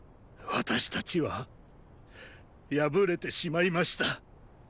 私たちは敗れてしまいました。